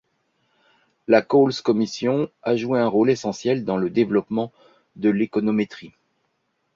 La Cowles Commission a joué un rôle essentiel dans le développement de l'économétrie.